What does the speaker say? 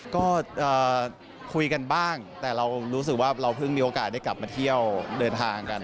ก็คุยกันบ้างแต่เรารู้สึกว่าเราเพิ่งมีโอกาสได้กลับมาเที่ยวเดินทางกัน